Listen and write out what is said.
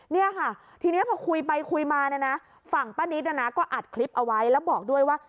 เนี่ยค่ะทีนี้พอคุยไปคุยมาเนี่ยนะฝั่งป้านิตก็อัดคลิปเอาไว้แล้วบอกด้วยว่า